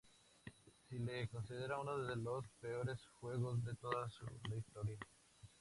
Se le considera uno de los peores juegos de toda la historia.